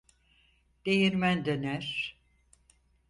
Değirmen döner…